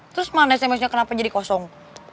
terus mana sms nya kenapa jadi kosong